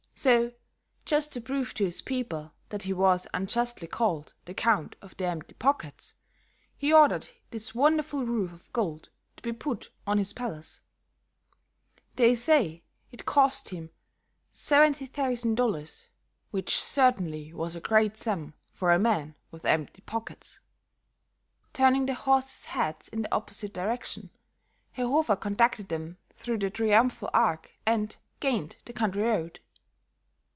So, just to prove to his people that he was unjustly called the Count of the Empty Pockets, he ordered this wonderful roof of gold to be put on his palace. They say it cost him $70,000, which certainly was a great sum for a man with empty pockets." Turning the horses' heads in the opposite direction, Herr Hofer conducted them through the Triumphal Arch and gained the country road.